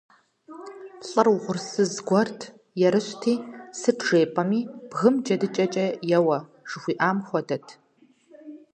ЛӀыр угъурсыз гуэрт, ерыщти, сыт жепӀэми, бгым джэдыкӀэкӀэ еуэ, жухуаӏэм хуэдэт.